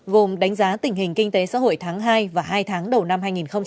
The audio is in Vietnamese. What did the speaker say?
gồm đánh giá tình hình kinh tế xã hội tháng hai và hai tháng đầu năm hai nghìn hai mươi